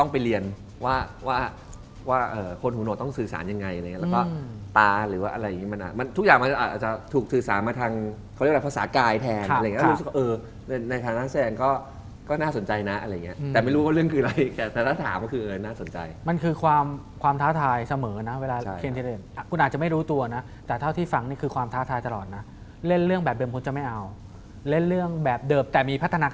พิ้งคุณหน่อยแล้วไปมีแฟนคนอื่น